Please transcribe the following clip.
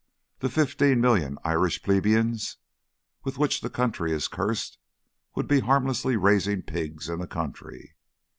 The fifteen million Irish plebeians with which the country is cursed would be harmlessly raising pigs in the country.